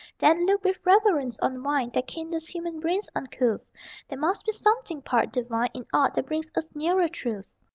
Then look with reverence on wine That kindles human brains uncouth There must be something part divine In aught that brings us nearer Truth!